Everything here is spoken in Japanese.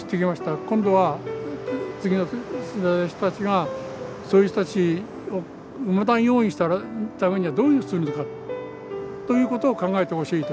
今度は次の世代の人たちがそういう人たちを生まないようにするためにはどうするのかということを考えてほしいというね。